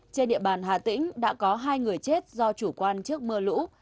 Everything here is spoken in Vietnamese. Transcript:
trên địa bàn hà tĩnh đã có hai người chết do chủ quan trước mưa lũ